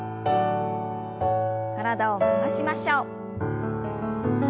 体を回しましょう。